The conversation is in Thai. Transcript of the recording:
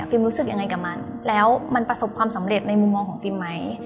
รู้สึกยังไงกับมันแล้วมันประสบความสำเร็จในมุมมองของฟิล์มไหม